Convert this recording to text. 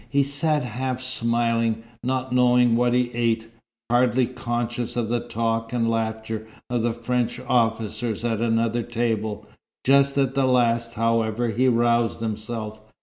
He sat half smiling, not knowing what he ate, hardly conscious of the talk and laughter of the French officers at another table. Just at the last, however, he roused himself.